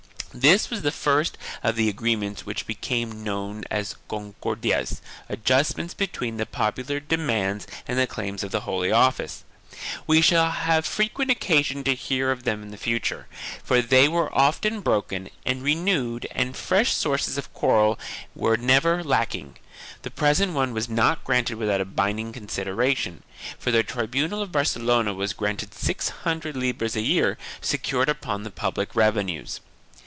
1 This was the first of the agreements which became known as Concordias — adjustments between the popular demands and the claims of the Holy Office. We shall have frequent occasion to hear of them in the future, for they were often broken and renewed and fresh sources of quarrel were never lacking. The present one was not granted without a binding consideration, for the tribunal of Barcelona was granted six hundred libras a year, secured upon the public revenues.